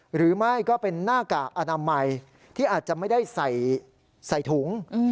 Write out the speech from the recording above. หรือไม่ก็เป็นหน้ากากอนามัยที่อาจจะไม่ได้ใส่ถุง